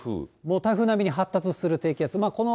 台風並みに発達する低気圧。